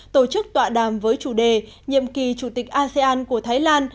tổ chức tọa đàm với chủ đề nhiệm kỳ chủ tịch asean của thái lan